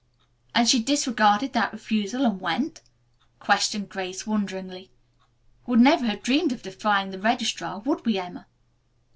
'" "And she disregarded that refusal and went?" questioned Grace wonderingly. "We would never have dreamed of defying the registrar, would we, Emma?"